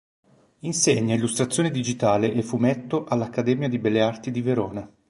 Insegna illustrazione digitale e fumetto all'Accademia di Belle Arti di Verona.